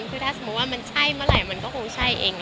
คือถ้าสมมติว่ามันมีเวลาไหนมันก็คงใช่เองเลย